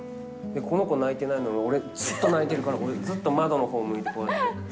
この子泣いてないのに、俺ずっと泣いてるから、俺、ずっと窓のほう向いて、こうやって。